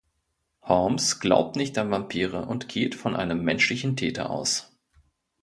Holmes glaubt nicht an Vampire und geht von einem menschlichen Täter aus.